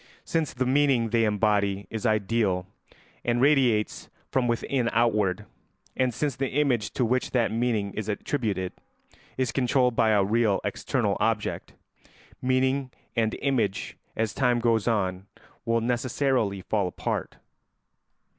Since the meaning they embody is ideal and radiates from within outward, and since the image to which that meaning is attributed is controlled by a real external object, meaning and image, as time goes on, will necessarily fall apart.